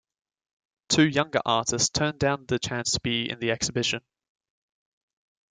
Two younger artists turned down the chance to be in the exhibition.